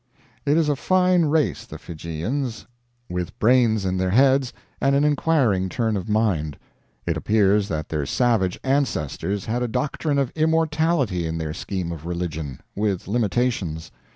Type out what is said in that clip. It is a fine race, the Fijians, with brains in their heads, and an inquiring turn of mind. It appears that their savage ancestors had a doctrine of immortality in their scheme of religion with limitations.